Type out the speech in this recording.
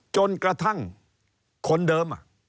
จนกระทั่งคนเดิม